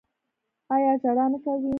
ایا ژړا نه کوي؟